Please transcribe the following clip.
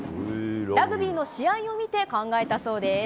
ラグビーの試合を見て考えたそうです。